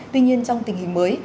tuy nhiên trong tình hình mới